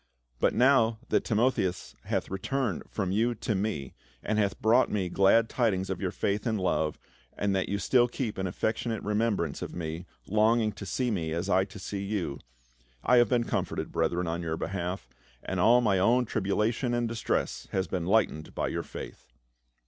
But now that Timotheus hath returned from you to me, and hath brought me glad tidings of your faith and love, and that you still keep an affectionate remembrance of me, longing to see me, as I to see you — I have been comforted, brethren, on your behalf, and all my own tribulation and distress has been lightened by your faith."